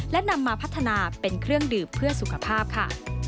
และนำมาพัฒนาเป็นเครื่องดื่มเพื่อสุขภาพค่ะ